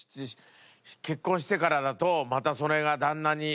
結婚してからだとまたそれが旦那にいっちゃうとか。